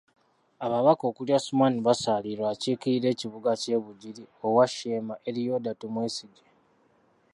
Ababaka okuli Asuman Basalirwa akiikirira ekibuga ky'e Bugiri, owa Sheema, Elioda Tumwesigye.